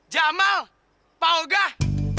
jamal paul gah